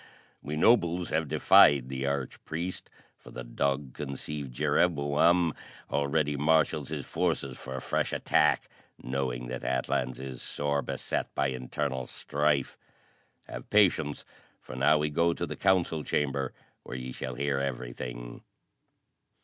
We nobles have defied the arch priest, for the dog conceived Jereboam already marshals his forces for a fresh attack, knowing that Atlans is sore beset by internal strife. Have patience for now we go to the council chamber, where ye shall hear everything."